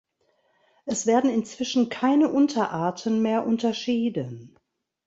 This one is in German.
Es werden inzwischen keine Unterarten mehr unterschieden.